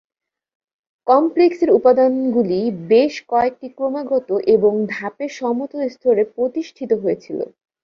কমপ্লেক্সের উপাদানগুলি বেশ কয়েকটি ক্রমাগত এবং ধাপে সমতল স্তরে প্রতিষ্ঠিত হয়েছিল।